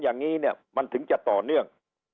อย่างนี้เนี่ยมันถึงจะต่อเนื่อง